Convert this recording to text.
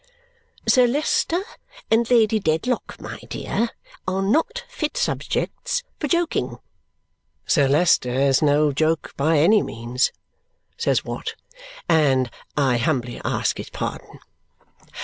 "Sir Leicester and Lady Dedlock, my dear, are not fit subjects for joking." "Sir Leicester is no joke by any means," says Watt, "and I humbly ask his pardon.